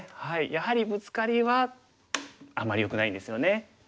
やはりブツカリはあまりよくないんですよね。